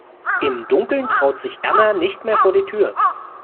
Im Dunkeln traut sich Erna nicht mehr vor die Tür.